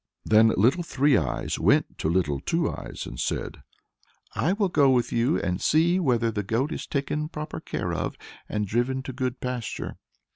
Then Little Three Eyes went to Little Two Eyes, and said, "I will go with you and see whether the goat is taken proper care of, and driven to good pasture."